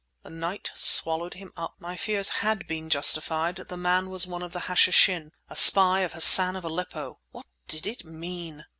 The night swallowed him up. My fears had been justified; the man was one of the Hashishin—a spy of Hassan of Aleppo! What did it mean?